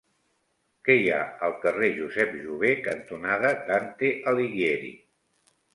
Què hi ha al carrer Josep Jover cantonada Dante Alighieri?